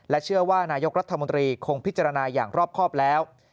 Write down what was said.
เชื่อว่านายกรัฐมนตรีคงพิจารณาอย่างรอบครอบแล้ว